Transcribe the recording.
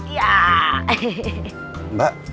terima kasih pak